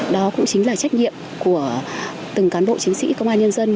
đó cũng chính là trách nhiệm của từng cán bộ chiến sĩ công an nhân dân